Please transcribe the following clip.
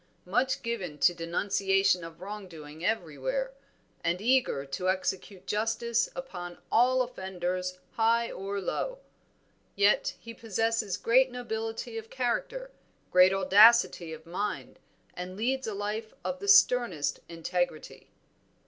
Much given to denunciation of wrong doing everywhere, and eager to execute justice upon all offenders high or low. Yet he possesses great nobility of character, great audacity of mind, and leads a life of the sternest integrity."